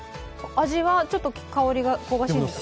味は、ちょっと香りが香ばしいのかな？